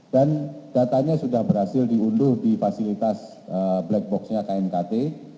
dan datanya sudah berhasil diunduh di fasilitas flight box nya knkt